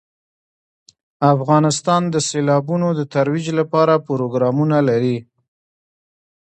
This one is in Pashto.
افغانستان د سیلابونه د ترویج لپاره پروګرامونه لري.